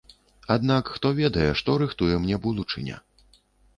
Аднак хто ведае, што рыхтуе мне будучыня?